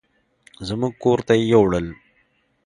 زموږ کور ته يې يوړل.